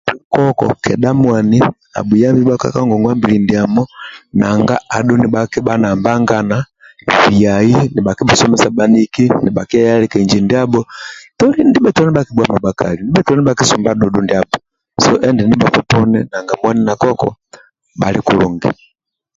Koko kedha mwani adhu nibhakibha na mbanagana biai nibhakibhusomesa bhaniki nibhakieyalika injo ndiabho toli ndibhetolo nibhakibhuama bhakali ndibhetolo nibhakisumba so endindi bhakpa poni nanga mwani na koko bhali kulungi